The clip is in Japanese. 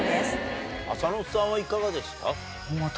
浅野さんはいかがでした？